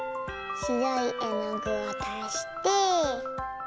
しろいえのぐをたして。